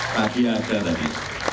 tadi ada tadi